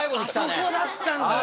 あそこだったんすね！